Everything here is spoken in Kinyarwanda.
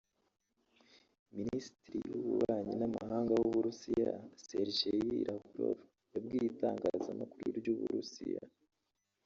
Minisitiri w’ ububanyi n’ amahanga w’ Uburusiya Sergei Lavrov yabwiye itangazamakuru ry’Uburusiya